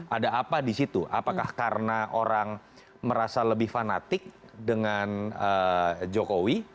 ada apa di situ apakah karena orang merasa lebih fanatik dengan jokowi